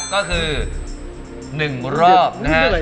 ก็คือ๑รอบนะครับ